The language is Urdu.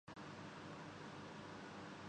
خواتین کرکٹرز کا فٹنس ٹیسٹ یو یو میں تمام کھلاڑی پاس